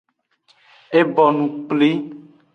E bonu kpli.